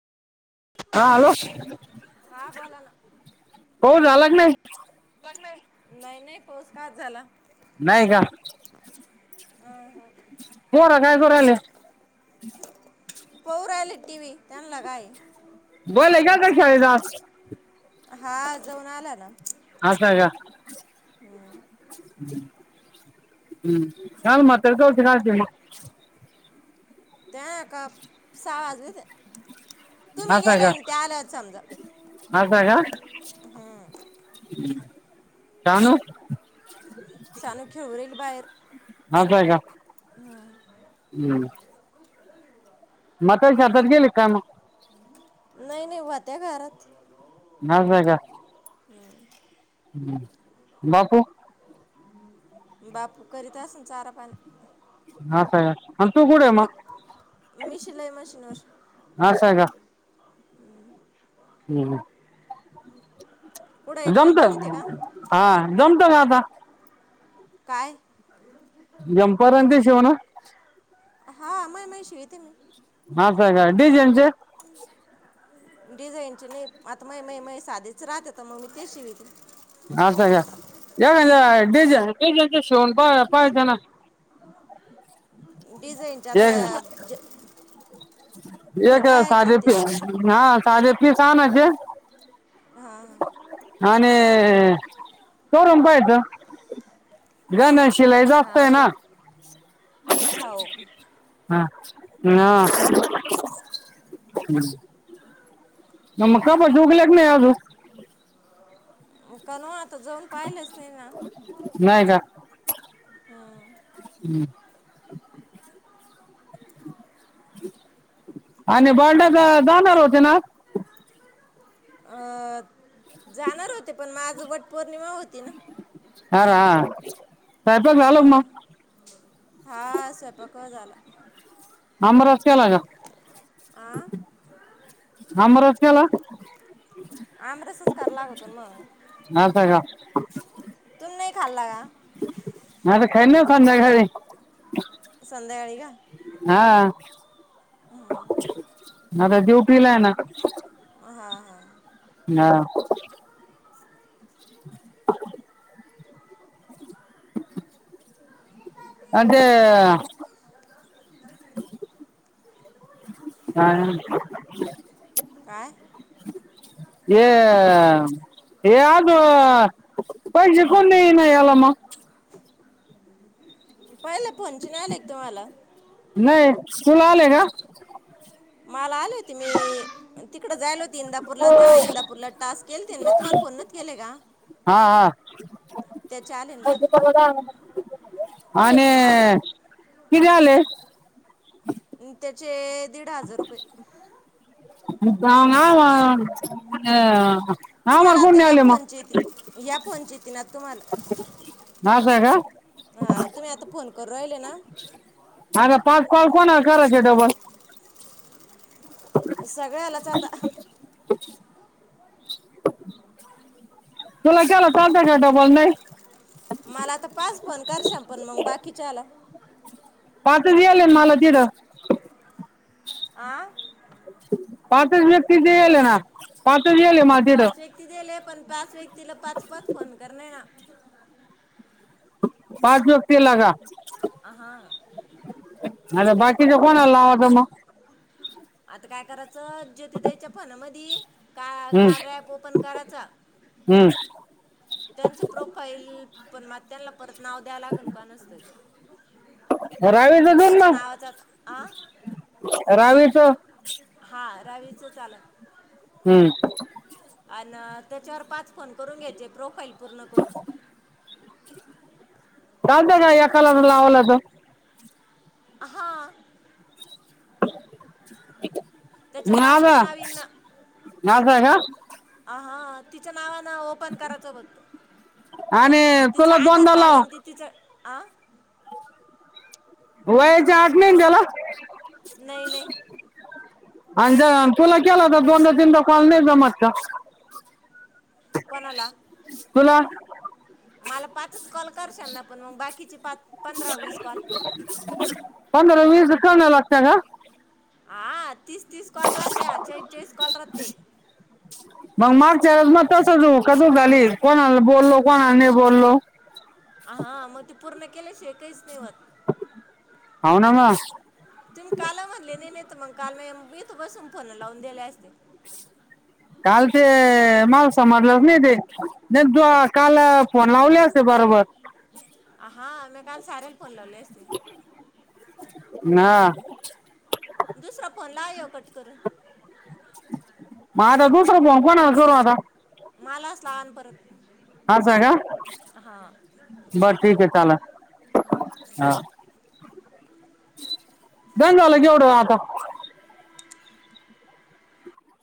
हा हॅलो हा बोला ना हो झालाच च नाही. नाही नाही पाऊस का च झाला. नाहीय का. पोरं काय करू राहीले. पाहु राहीले टी व्ही त्यांना कायं. बोल आहे का का [unintelligible] हा जाऊन आला ना. असाय का. हम्म हम्म कान मात काते कात [inaudible] त्या नाकासा सहा वाजले ते तुम्ही असाय गेले का. ना त्या आल्यात समजा असय का. कानु सानु खेळु राहीली बाहेर. आपलं हाय का. हम्म म्हातीरीच्या हातत गेली का नाही नाही वात्या घरात. असाय का. ह [inaudible] ह, बापू [inaudible] बापू करीत असन चारा पाणी. [unintelligible] आणि तू कुटय मग. कुठं मी शिलाई मशीनवर. हा सांगा. हम् कुठं एक जमत, कंपनीत आहे का हा जमत का आता. काय झंपर आणि ते शिवन. हा मा माय शिवते मी. [unintelligible] का डीझायनचे. डिझाईनचे नाही आता म म माय साधीच राहतात, तर मग मी ते शिवित. [inaudible] डिझायनचे चे एक आता ज एक फुलवायचे साधे, आणि ते हा साधे पिस आणायचे. हा हा आणि [unintelligible] जा ना शिलाई हा जास्त आहे ना. अजून हाव हा हा. [inaudible] मग कनवाता जाऊन पाहिलंच नाही ना हम्. हम्म आणि [unintelligible] जानार होते ना. अ जाणार होते, पण माझ वट पौर्णिमा होती ना. अर हा. स्वयंपाक अ झालं हा, का मग हा स्वयंपाक झाला. आमरस केला का? आं आमरस केला. आमरसच करा लागतो मग. [unintelligible] का तून नाही खाल्ला का. नाही ते [inaudible] संध्याकाळी का. हा, आता ड्युटीला आहे ना. हां हां [unintelligible] [inaudible] [inaudible] [unintelligible] काय ये [inaudible] कोणन येलम पहिलं फोणच [unintelligible] एक तुम्हाला नाही, तुला आले का? मला आलेत. त मी तिकडं जायेल होती इंदापूरला त्या इंदापूरला टास्क केल ते मी, तुम्हाला फोनच नोव्हेते केलेय का? हा हा. त्याचे आलेन मला. आणि आ किती झाले? त्याचे दीड हजार रुपये. ना [unintelligible] तुम्हाला आता या फोनचे येतील या फोनचे येतील ना तुम्हाला. अस का? हा तुम्ही आता फोन करू राहिले ना? आता पाच कॉल कोणाला करायचे डबल? सगळ्यां आलाच आता. [inaudible] तुला केला चालत का डबल नाही? मला आता पाच फोन करशाम, पण मग बाकीच्याला? पाचच येल आहे ना मला तिड. आं. पाचच व्यक्ती जे येले आहे ना पाचच येले माझ पाच व्यक्ती दिल हे पण पाच व्यक्तीला पाच, पाच फोन करणे आहे ना. पाच व्यक्तीला का? आहा. आता बाकीच कोणाला लावायचं मग? आता काय करायचं ज्योती ताईच्या फोनामधी का हम्म कार्या ॲप ओपन करायचा. हम्म त्यांच प्रोफाईल पण म त्यांना परत नाव द्याव लागेल कोणाच रावीचं दोन त्याच मग नावाचं आता, आ? रावीच हा रावीच चालन. हम्म. आण त्याच्यावर पाच फोन करून घ्यायचे प्रोफाईल पूर्ण करून. चालते का एकालाच लावला तर? हां. त्याच्यावर माझा रावीचं नाव येईन ना [unintelligible] आ हां तिच्या नावानं ओ ओपण करायच बघ आणि तिच तुला आधार दोनदा कार्ड लाव अण ति तिच आं? वयची अट नाहीन त्याला? नाही नाही आणि जर तुला केला होता दोनदा, तीनदा काॅल नाही जमत का? कोणाला? तुला. मला पाच कॉल करशा ना, पण मग बाकीचे पाच, पंधरा, वीस कॉल? पंधरा, वीस करणं लागतंय का? अ हा तीस, तीस कॉल राहते च्याळीस, च्याळीस कॉल रहाते. मग मागच्या वेळेस तस कसं झाली, कोणाला बोललो कोणाला नाही बोललो. हा, मग ते पूर्ण केल्याशिवाय काहीच नाही व्हत. हाव ना म तुम्ही काल म्हणले नाही, नाही तर मग काल म मी इथ बसून फोन लावून दिले असते. काल ते मला समजलंच नाही ते, नाही त काल फोन लावले असते बरोबर हा मी काल साऱ्यांन फोन लावले असते. ना दुसरा फोन लाव ह्यो कट करून. म आता दुसरा फोन कोणाला करू आता? मलाच लावा आन परत हाच आहे का हा बर ठीकय चाललं हा बंद झालं केवढं वो आता